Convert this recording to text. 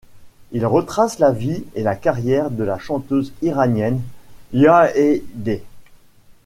Il retrace la vie et la carrière de la chanteuse iranienne, Hayedeh.